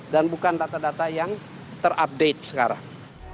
dan bukan data data yang terupdate sekarang